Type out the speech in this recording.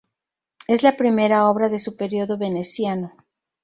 Es la primera obra de su período veneciano.